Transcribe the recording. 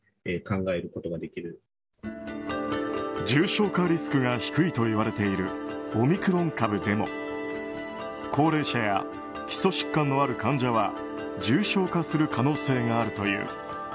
重症化リスクが低いといわれているオミクロン株でも高齢者や基礎疾患のある患者は重症化する可能性があるという。